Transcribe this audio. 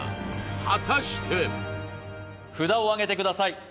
果たして札をあげてください